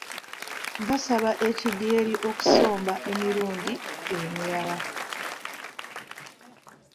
Baasaba ekidyeri okusomba emirundi emirala.